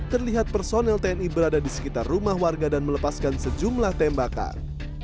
terlihat personel tni berada di sekitar rumah warga dan melepaskan sejumlah tembakan